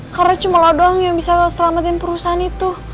karena cuma lo doang yang bisa selamatin perusahaan itu